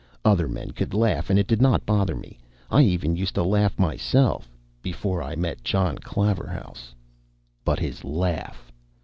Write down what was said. Other men could laugh, and it did not bother me. I even used to laugh myself—before I met John Claverhouse. But his laugh!